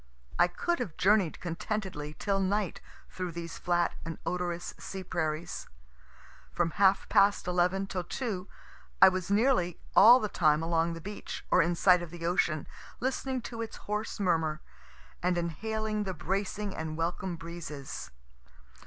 I could have journey'd contentedly till night through these flat and odorous sea prairies. From half past 11 till 2 I was nearly all the time along the beach, or in sight of the ocean, listening to its hoarse murmur, and inhaling the bracing and welcome breezes.